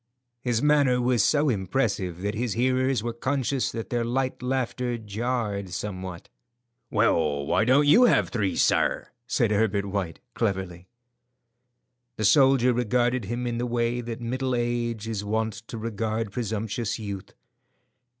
His manner was so impressive that his hearers were conscious that their light laughter jarred somewhat. "Well, why don't you have three, sir?" said Herbert White, cleverly. The soldier regarded him in the way that middle age is wont to regard presumptuous youth.